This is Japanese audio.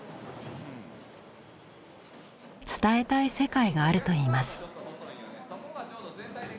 伝えたい世界があるといいます。